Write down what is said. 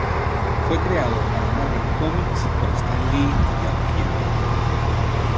Fue creado para Marvel Comics por Stan Lee y Jack Kirby.